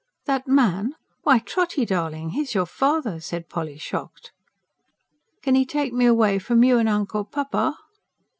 "That man? Why, Trotty darling, he's your father!" said Polly, shocked. "Kin 'e take me away f'om you and Uncle Papa?"